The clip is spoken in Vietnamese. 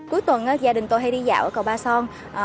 cuối tuần gia đình tôi hay đi dạo ở cầu ba son